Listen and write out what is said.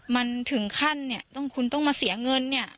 มันถึงขั้นเนี่ยต้องคุณต้องมาเสียเงินเนี่ย